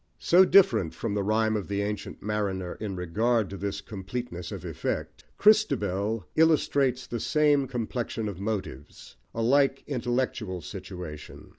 So different from The Rhyme of the Ancient Mariner in regard to this completeness of effect, Christabel illustrates the same complexion of motives, a like intellectual situation.